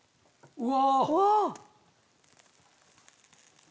うわ！